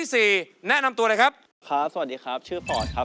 สวัสดีครับชื่อฟอทครับ